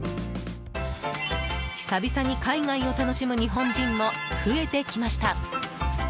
久々に海外を楽しむ日本人も増えてきました。